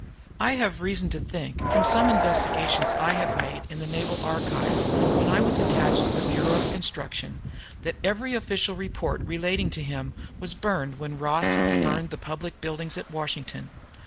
I have reason to think, from some investigations I made in the Naval Archives when I was attached to the Bureau of Construction, that every official report relating to him was burned when Ross burned the public buildings at Washington.